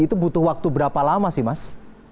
itu butuh waktu berapa lama sih mas